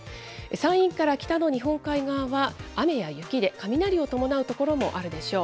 山陰から北の日本海側は、雨や雪で、雷を伴う所もあるでしょう。